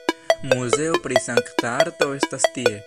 Muzeo pri sankta arto estas tie.